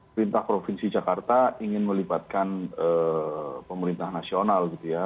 perintah provinsi jakarta ingin melibatkan pemerintah nasional gitu ya